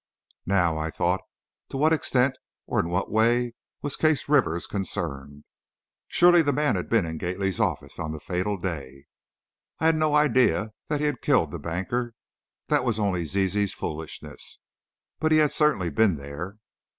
Now, I thought, to what extent or in what way was Case Rivers concerned? Surely the man had been in Gately's office on that fatal day. I had no idea that he had killed the banker, that was only Zizi's foolishness, but he had certainly been there.